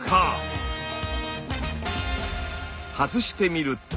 外してみると。